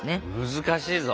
難しいぞ。